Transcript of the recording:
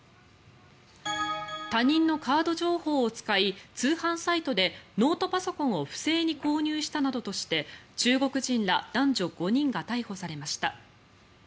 他人のカード情報を使い通販サイトでノートパソコンを不正に購入したなどとして中国人ら男女５人が逮捕されました。